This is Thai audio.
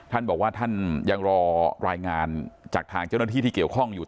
ท่านบอกว่าท่านยังรอรายงานจากทางเจ้าหน้าที่ที่เกี่ยวข้องอยู่